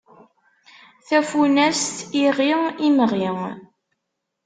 Tafunast: iɣi, imɣi.